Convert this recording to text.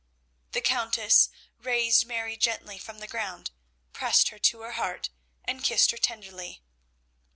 The Countess raised Mary gently from the ground, pressed her to her heart, and kissed her tenderly.